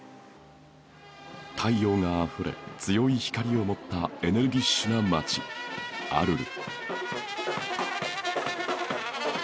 太陽があふれ強い光を持ったエネルギッシュな街アルル